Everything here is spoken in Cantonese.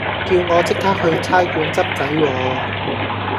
叫我即刻去差館執仔喎